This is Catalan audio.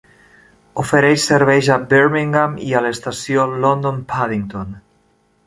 Ofereix serveis a Birmingham i a l"estació London Paddington.